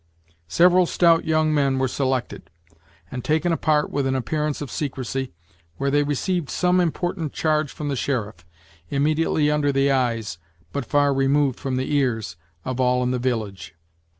Several stout young men were selected, and taken apart with an appearance of secrecy, where they received some important charge from the sheriff, immediately under the eyes, but far removed from the ears, of all in the village.